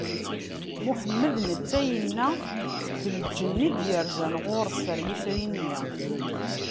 Muḥemmed netta yenna d lǧenn i d-yerzan ɣur-s ɣer yifri-nni.